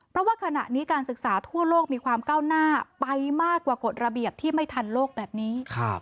เพราะว่าขณะนี้การศึกษาทั่วโลกมีความก้าวหน้าไปมากกว่ากฎระเบียบที่ไม่ทันโลกแบบนี้